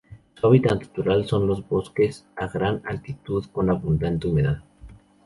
Su hábitat natural son los bosques a gran altitud con abundante humedad.